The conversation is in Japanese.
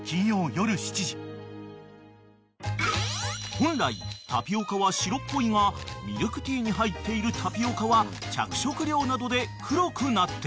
［本来タピオカは白っぽいがミルクティーに入っているタピオカは着色料などで黒くなっている］